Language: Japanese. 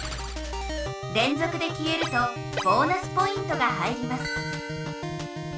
れんぞくで消えるとボーナスポイントが入ります。